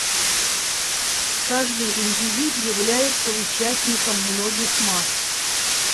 Каждый индивид является участником многих масс.